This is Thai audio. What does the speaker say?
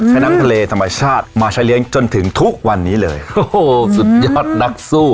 น้ำทะเลธรรมชาติมาใช้เลี้ยงจนถึงทุกวันนี้เลยโอ้โหสุดยอดนักสู้